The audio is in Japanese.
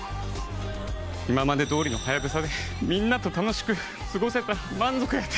今までどおりのハヤブサでみんなと楽しく過ごせたら満足やで。